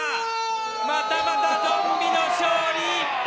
またまたゾンビの勝利！